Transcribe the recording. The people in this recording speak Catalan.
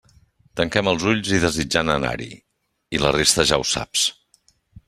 Tanquem els ulls i desitjant anar-hi... i la resta ja ho saps.